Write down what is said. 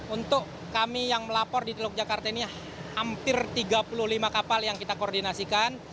untuk kami yang melapor di teluk jakarta ini hampir tiga puluh lima kapal yang kita koordinasikan